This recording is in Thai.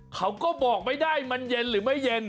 เขาก็บอกไม่ได้มันเย็นหรือไม่เย็น